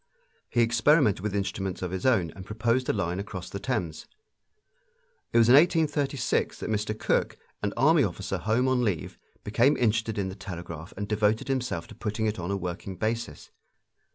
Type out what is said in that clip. He experimented with instruments of his own and proposed a line across the Thames. It was in 1836 that Mr. Cooke, an army officer home on leave, became interested in the telegraph and devoted himself to putting it on a working basis.